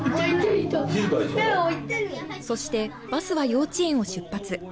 そしてバスは幼稚園を出発。